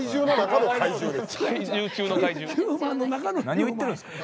何を言ってるんですか。